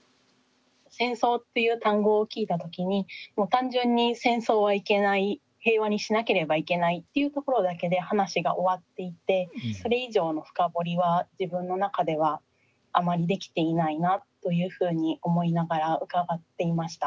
戦争っていう単語を聞いた時に単純に戦争はいけない平和にしなければいけないっていうところだけで話が終わっていてそれ以上の深掘りは自分の中ではあまりできていないなというふうに思いながら伺っていました。